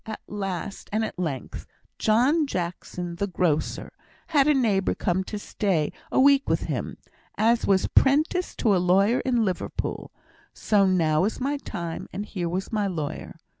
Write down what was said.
At last and at length, John Jackson, the grocer, had a nephew come to stay a week with him, as was 'prentice to a lawyer in Liverpool; so now was my time, and here was my lawyer.